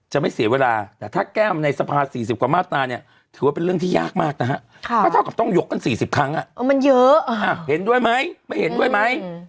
เห็นด้วยไหมไม่เห็นด้วยไหม